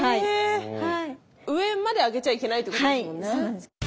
上まで上げちゃいけないってことなんですね。